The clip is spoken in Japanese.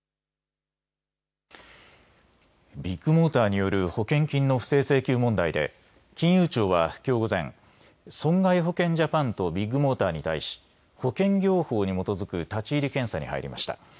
ビッグモーターによる保険金の不正請求問題で金融庁はきょう午前、損害保険ジャパンとビッグモーターに対し保険業法に基づく立ち入り検査に入りました。